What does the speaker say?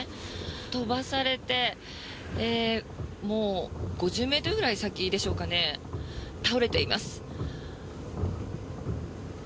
飛ばされて、もう５０ｍくらい先でしょうかね倒れています。